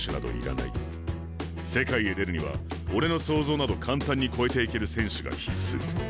世界へ出るには俺の想像など簡単に超えていける選手が必須」。